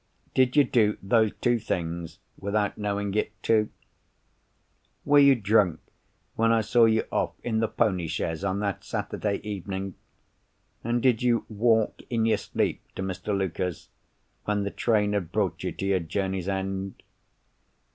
Did you do those two things, without knowing it, too? Were you drunk when I saw you off in the pony chaise on that Saturday evening? And did you walk in your sleep to Mr. Luker's, when the train had brought you to your journey's end?